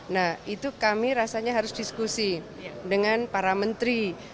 nah itu kami rasanya harus diskusi dengan para menteri